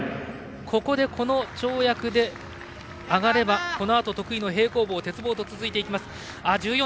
ここで、この跳躍で上がればこのあと得意の平行棒、鉄棒と続いていきます。１４．７６６。